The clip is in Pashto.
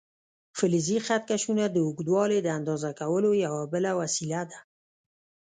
فلزي خط کشونه د اوږدوالي د اندازه کولو یوه بله وسیله ده.